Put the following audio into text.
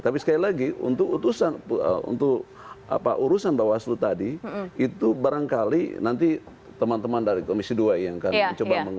tapi sekali lagi untuk urusan bawaslu tadi itu barangkali nanti teman teman dari komisi dua yang akan mencoba